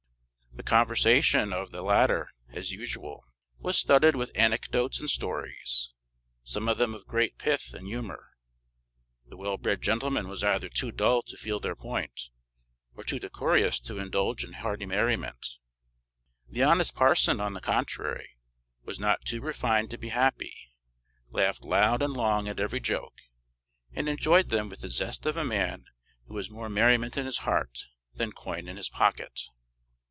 The conversation of the latter, as usual, was studded with anecdotes and stories, some of them of great pith and humor; the well bred gentleman was either too dull to feel their point, or too decorous to indulge in hearty merriment; the honest parson, on the contrary, who was not too refined to be happy, laughed loud and long at every joke, and enjoyed them with the zest of a man who has more merriment in his heart than coin in his pocket.